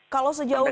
kalau sejauh ini